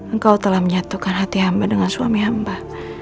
engkau telah menyatukan hati hamba dengan suami hamba